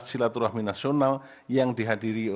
silaturahmi nasional yang dihadiri